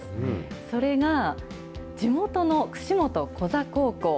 それが地元の串本古座高校。